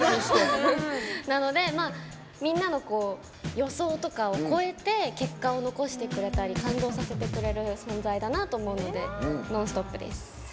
なので、みんなの予想とかを超えて、結果を残してくれたり感動させてくれる存在だなと思うので「ノンストップ」です。